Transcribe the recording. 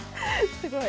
すごい。